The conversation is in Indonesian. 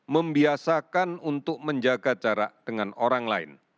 membiasakan untuk menjaga jarak dengan orang lain